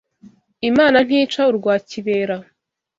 Imana ntica urwa kibera